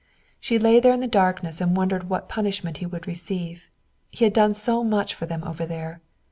She lay there in the darkness and wondered what punishment he would receive. He had done so much for them over there.